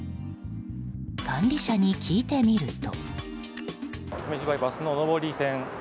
管理者に聞いてみると。